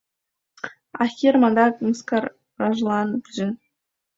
А Хирм адак мыскаражлан пиже: